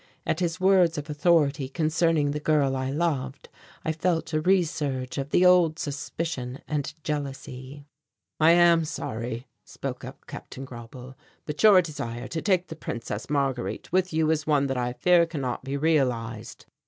At his words of authority concerning the girl I loved I felt a resurge of the old suspicion and jealousy. "I am sorry," spoke up Captain Grauble, "but your desire to take the Princess Marguerite with you is one that I fear cannot be realized.